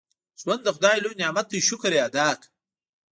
• ژوند د خدای لوی نعمت دی، شکر یې ادا کړه.